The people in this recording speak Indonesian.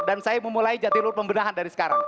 dan saya memulai jatiluhur pembenahan dari sekarang